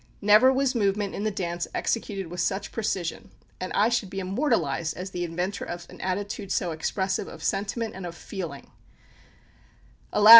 Never was movement in the dance executed with such precision; and I should be immortalised as the inventor of an attitude so expressive of sentiment and of feeling. Alas!